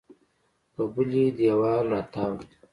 په بلې دېوال راتاو و.